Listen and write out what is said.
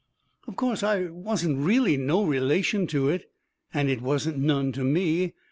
Of course, I wasn't really no relation to it and it wasn't none to me.